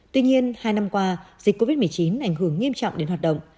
tuy nhiên hai năm qua dịch covid một mươi chín ảnh hưởng nghiêm trọng đến hoạt động